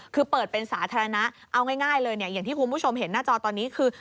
คือเปิดเป็นสาธารณะเอาง่ายเลยเนี่ยอย่างที่คุณผู้ชมเห็นหน้าจอตอนนี้คือ